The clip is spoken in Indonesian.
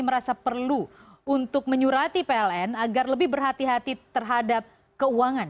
merasa perlu untuk menyurati pln agar lebih berhati hati terhadap keuangan